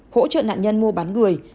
hỗ trợ nạn nhân mua bán người